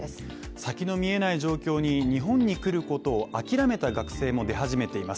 先の見えない状況に日本に来ることを諦めた学生も出始めています。